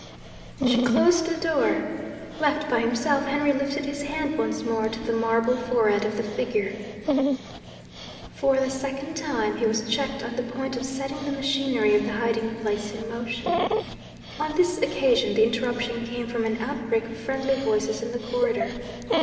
She closed the door. Left by himself, Henry lifted his hand once more to the marble forehead of the figure. For the second time, he was checked on the point of setting the machinery of the hiding place in motion. On this occasion, the interruption came from an outbreak of friendly voices in the corridor.